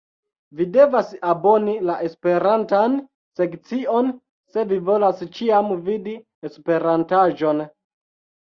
Vi devas aboni la esperantan sekcion se vi volas ĉiam vidi esperantaĵon